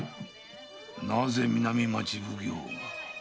なぜ南町奉行が？